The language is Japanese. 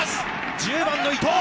１０番の伊藤。